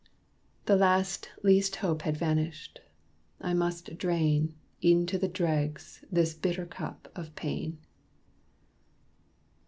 The last least hope had vanished; I must drain, E'en to the dregs, this bitter cup of pain.